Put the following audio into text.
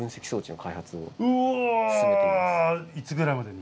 うおいつぐらいまでに？